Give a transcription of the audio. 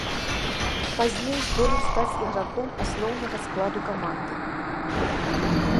Пазней здолеў стаць іграком асноўнага складу каманды.